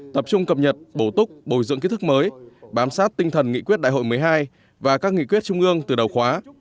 tập trung cập nhật bổ túc bồi dưỡng kiến thức mới bám sát tinh thần nghị quyết đại hội một mươi hai và các nghị quyết trung ương từ đầu khóa